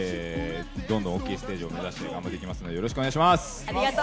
どんどん大きいステージを目指して頑張っていきますので、よろしくお願いします。